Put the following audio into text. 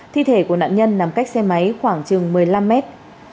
thi thể của nạn nhân nằm cách xe máy khoảng chừng một mươi năm mét